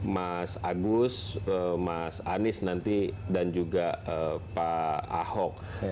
mas agus mas anies nanti dan juga pak ahok